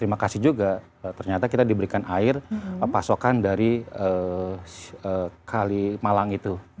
terima kasih juga ternyata kita diberikan air pasokan dari kalimalang itu